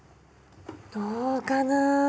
どうかな？